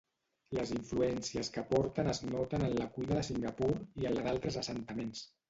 Les influències que aporten es noten en la cuina de Singapur i en la d'altres assentaments.